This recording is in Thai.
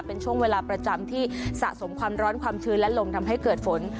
เป็นช่วงเวลาประจำที่สะสมความร้อนความชื้นและลมทำให้เกิดฝน